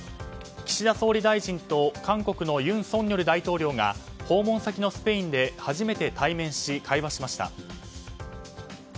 岸田総理大臣と韓国の尹錫悦大統領が訪問先のスペインで初めて対面し会話しました。